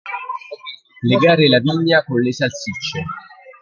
Legare la vigna con le salsicce.